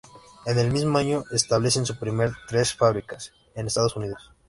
En el mismo año establecen sus primeras tres fábricas en Estados Unidos.